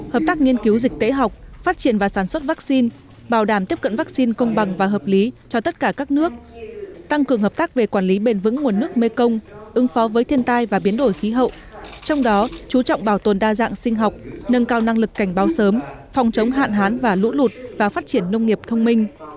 hợp tác nghiên cứu dịch tễ học phát triển và sản xuất vaccine bảo đảm tiếp cận vaccine công bằng và hợp lý cho tất cả các nước tăng cường hợp tác về quản lý bền vững nguồn nước mekong ứng phó với thiên tai và biến đổi khí hậu trong đó chú trọng bảo tồn đa dạng sinh học nâng cao năng lực cảnh báo sớm phòng chống hạn hán và lũ lụt và phát triển nông nghiệp thông minh